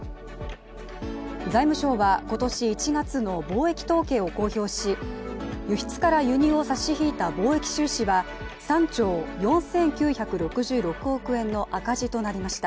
財務省は今年１月の貿易統計を公表し輸出から輸入を差し引いた貿易収支は、３兆４９６６億円の赤字となりました。